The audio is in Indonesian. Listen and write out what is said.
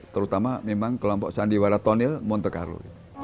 terutama memang kelompok sandiwara tonil monte carlo